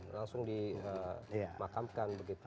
langsung dimakamkan begitu